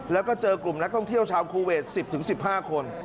แล้วก็เจอกลุ่มนักท่องเที่ยวชาวคูเวท๑๐๑๕คน